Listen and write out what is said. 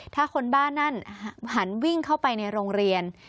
ถ้าคนบ้านนั้นหันวิ่งเข้าไปในโรงเรียน